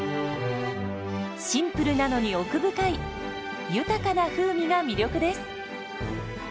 シンプルなのに奥深い豊かな風味が魅力です。